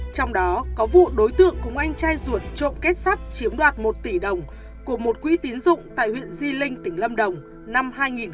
trong đó có vụ đối tượng cùng anh trai ruột trộm kết sắt chiếm đoạt một tỷ đồng của một quỹ tín dụng tại huyện di linh tỉnh lâm đồng năm hai nghìn một mươi bảy